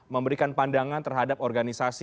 memberikan pandangan terhadap organisasi